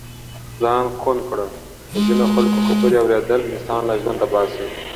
ځان ڪوڼ ڪړه د ځينو خلڪو خبرې اوریدل انسان له ژونده باسي.